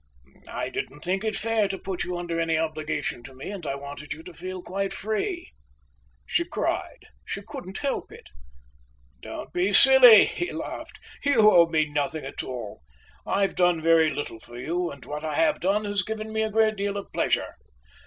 "I didn't think it fair to put you under any obligation to me, and I wanted you to feel quite free." She cried. She couldn't help it. "Don't be so silly," he laughed. "You owe me nothing at all. I've done very little for you, and what I have done has given me a great deal of pleasure."